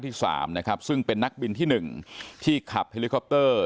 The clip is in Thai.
ที่สามนะครับซึ่งเป็นนักบินที่๑ที่ขับเฮลิคอปเตอร์